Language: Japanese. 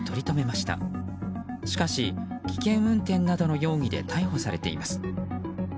しかし、危険運転などの容疑で逮捕されています。